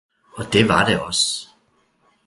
og det var det også.